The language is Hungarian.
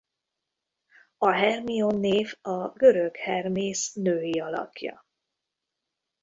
A Hermione név a görög Hermész női alakja.